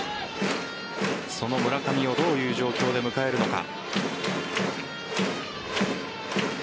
その村上をどういう状況で迎えるのか。